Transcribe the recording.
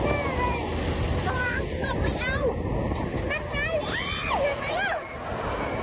หี้อหุ้อหาหนักไม้เอา